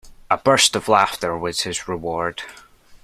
A burst of laughter was his reward.